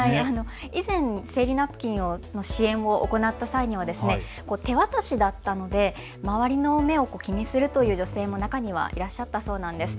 以前、生理ナプキンの支援を行った際には手渡しだったので周りの目を気にするという女性も中にはいらっしゃったそうなんです。